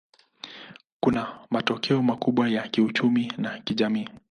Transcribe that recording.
Kuna matokeo makubwa ya kiuchumi na kijamii.